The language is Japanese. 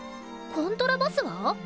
コントラバスは？